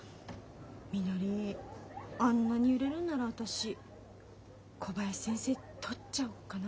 みのりあんなに揺れるんなら私小林先生とっちゃおっかな？